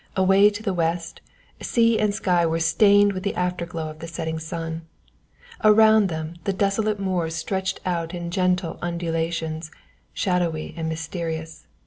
Away to the west sea and sky were stained with the afterglow of the setting sun. Around them the desolate moors stretched out in gentle undulations, shadowy and mysterious.